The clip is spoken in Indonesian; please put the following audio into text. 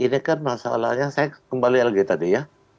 ini kan masalahnya saya kembali lagi tadi ya